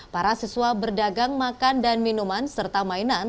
para siswa berdagang makan dan minuman serta mainan